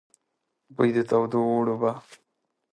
بوی د تودو اوړو به،